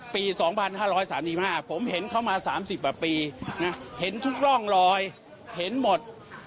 ผมเห็นเขามา๓๐ปีนะเห็นทุกร่องลอยเห็นหมด